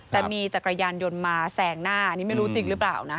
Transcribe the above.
แต่มีจักรยานยนต์มาแซงหน้าอันนี้ไม่รู้จริงหรือเปล่านะ